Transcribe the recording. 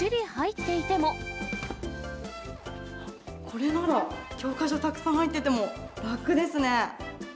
これなら、教科書たくさん入ってても、楽ですね。